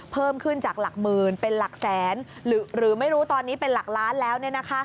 เพิ่มขึ้นจากหลักหมื่นเป็นหลักแสนหรือไม่รู้ตอนนี้เป็นหลักล้านแล้ว